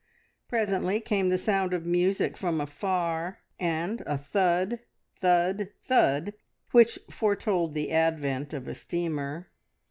Presently came the sound of music from afar and a thud, thud, thud, which foretold the advent of a steamer.